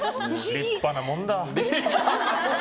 立派なもんだ。